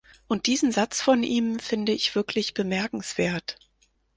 Und diesen Satz von ihm finde ich wirklich bemerkenswert.